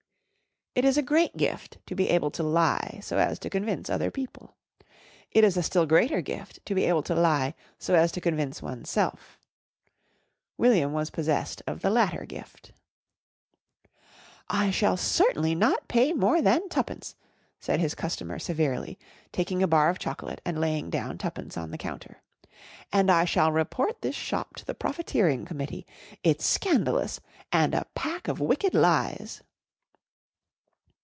It is a great gift to be able to lie so as to convince other people. It is a still greater gift to be able to lie so as to convince oneself. William was possessed of the latter gift. "I shall certainly not pay more than twopence," said his customer severely, taking a bar of chocolate and laying down twopence on the counter. "And I shall report this shop to the Profiteering Committee. It's scandalous. And a pack of wicked lies!"